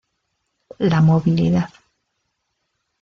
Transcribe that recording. La movilidad.